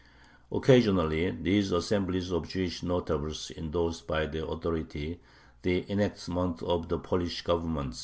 Occasionally these assemblies of Jewish notables endorsed by their authority the enactments of the Polish Government.